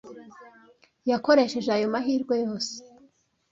Yakoresheje ayo mahirwe yose.